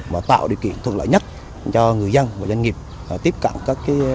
và tạo điều kiện thuận lợi nhất cho người dân và doanh nghiệp tiếp cận các phương hòa